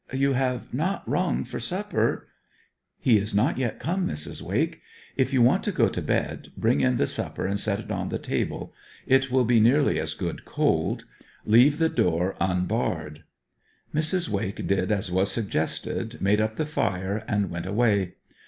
'You have not rung for supper ' 'He is not yet come, Mrs. Wake. If you want to go to bed, bring in the supper and set it on the table. It will be nearly as good cold. Leave the door unbarred.' Mrs. Wake did as was suggested, made up the fire, and went away.